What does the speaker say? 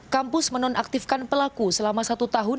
kampus menonaktifkan pelaku selama satu tahun